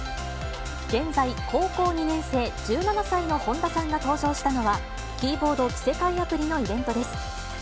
現在、高校２年生、１７歳の本田さんが登場したのは、キーボード着せ替えアプリのイベントです。